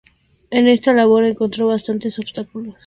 En esta labor encontró bastantes obstáculos.